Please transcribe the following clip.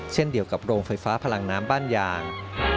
เช่นเดียวกับโรงไฟฟ้าพลังน้ำบ้านยาง